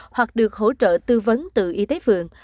hoặc được hỗ trợ tư vấn từ y tế phường